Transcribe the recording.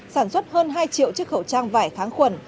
sản xuất hơn hai triệu chiếc khẩu trang vải kháng khuẩn